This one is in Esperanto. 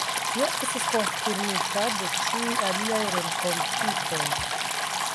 Tio estis konfirmita de ĉiuj aliaj renkontitoj.